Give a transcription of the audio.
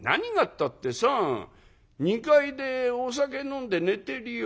ったってさあ２階でお酒飲んで寝てるよ。